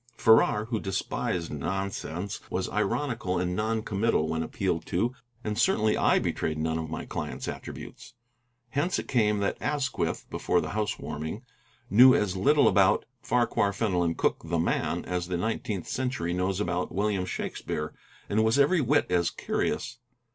Farrar, who despised nonsense, was ironical and non committal when appealed to, and certainly I betrayed none of my client's attributes. Hence it came that Asquith, before the house warming, knew as little about Farquhar Fenelon Cooke, the man, as the nineteenth century knows about William Shakespeare, and was every whit as curious.